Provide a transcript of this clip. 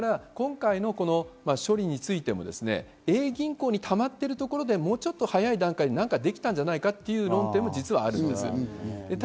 それから今回の処理についても、Ａ銀行にたまっているところで、もうちょっと早い段階で何かできたんじゃないかという論点も実はあるんです。